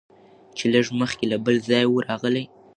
چي لږ مخکي له بل ځایه وو راغلی